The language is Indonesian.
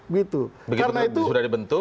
begitu sudah dibentuk